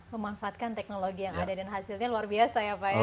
memanfaatkan teknologi yang ada dan hasilnya luar biasa ya pak ya